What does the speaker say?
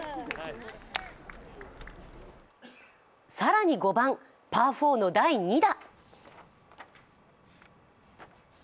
更に５番、パー４の第２打。